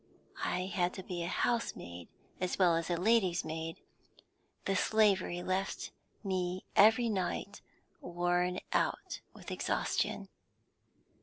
I had to be housemaid as well as lady's maid; the slavery left me every night worn out with exhaustion.